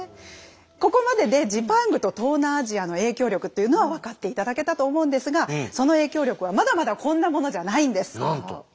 ここまででジパングと東南アジアの影響力っていうのは分かって頂けたと思うんですがその影響力はまだまだこんなものじゃないんです。